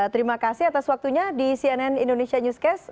terima kasih atas waktunya di cnn indonesia newscast